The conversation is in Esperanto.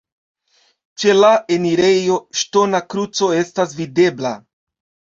Ĉe la enirejo ŝtona kruco estas videbla.